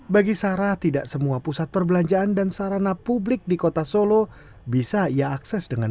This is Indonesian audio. bagi sarah tidak semua pusat perbelanjaan dan sarana publik di kota solo bisa ia akses dengan